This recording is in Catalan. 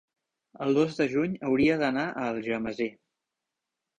El dos de juny hauria d'anar a Algemesí.